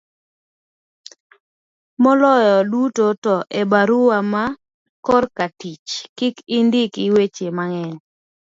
moloyo duto to e barua ma korka tich kik indiki weche mang'eny